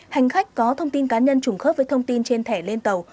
hành khách có thông tin cá nhân trùng khớp với thông tin trên thẻ lên tàu